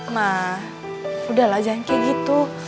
mama janganlah seperti itu